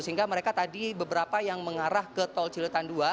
sehingga mereka tadi beberapa yang mengarah ke tol cilitan ii